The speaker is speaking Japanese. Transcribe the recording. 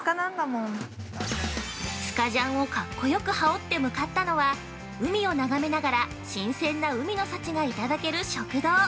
◆スカジャンをカッコよく羽織って向かったのは、海を眺めながら新鮮な海の幸がいただける食堂。